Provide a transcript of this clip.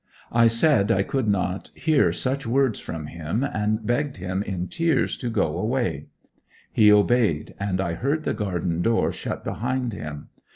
I said I could not hear such words from him, and begged him in tears to go away; he obeyed, and I heard the garden door shut behind him.